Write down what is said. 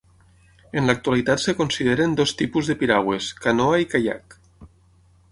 En l'actualitat es consideren dos tipus de piragües: canoa i caiac.